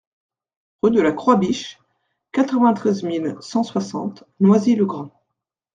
Rue de la Croix Biche, quatre-vingt-treize mille cent soixante Noisy-le-Grand